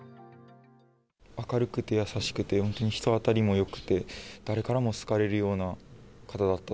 明るくて優しくて、本当に人当たりもよくて、誰からも好かれるような方だった。